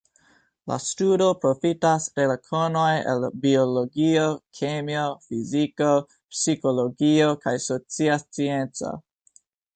La studo profitas de la konoj el biologio, kemio, fiziko, psikologio kaj socia scienco.